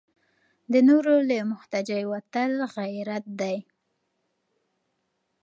د نورو له محتاجۍ وتل غیرت دی.